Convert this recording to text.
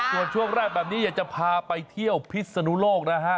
ส่วนช่วงแรกแบบนี้อยากจะพาไปเที่ยวพิศนุโลกนะฮะ